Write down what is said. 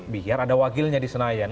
biar ada wakilnya di senayan